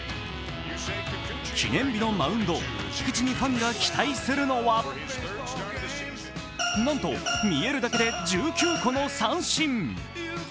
記念日のマウンド、菊池にファンが期待するのはなんと見えるだけで１９個の三振。